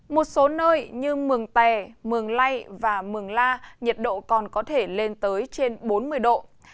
một số nơi như mường tè mường lây và mường la nhiệt độ còn có thể lên tới trên bốn mươi độ